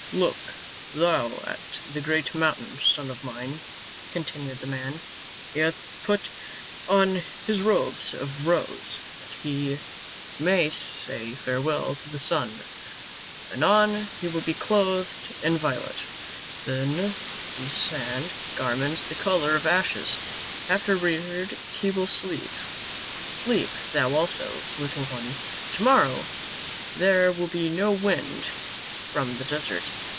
" Look thou at the great mountain, son of mine," continued the man ; "he hath put on his robes of rose (13) 14 PA UL. tliat he may say farewell to the sun. Anon, he will be clothed in violet, then in sad garments the color of ashes, afterward he will sleep. Sleep thou also, little one ; to morrow there will be no wind from the desert.